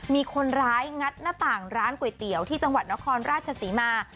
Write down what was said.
มีคนร้ายงัดหน้าต่างร้านก๋วยเตี๋ยวที่จังหวัดนครราชศรีมา